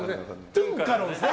トゥンカロンですよ。